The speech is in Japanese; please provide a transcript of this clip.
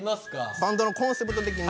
バンドのコンセプト的に。